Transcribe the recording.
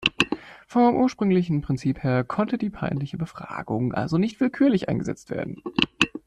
Vom ursprünglichen Prinzip her konnte die peinliche Befragung also nicht willkürlich eingesetzt werden.